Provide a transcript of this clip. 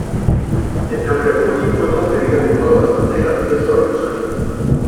El nombre "fuji" fue concebido de un modo bastante gracioso e insólito.